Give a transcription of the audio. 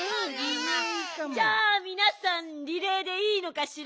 じゃあみなさんリレーでいいのかしら？